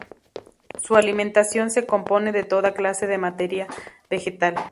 Su alimentación se compone de toda clase de materia vegetal.